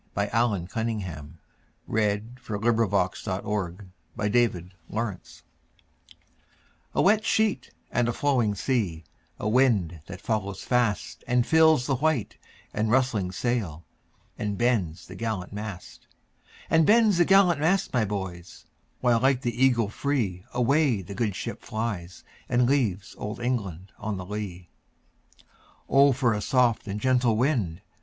Allan Cunningham CCV. "A wet sheet and a flowing sea" A WET sheet and a flowing sea,A wind that follows fastAnd fills the white and rustling sailAnd bends the gallant mast; And bends the gallant mast, my boys, While like the eagle freeAway the good ship flies, and leavesOld England on the lee."O for a soft and gentle wind!"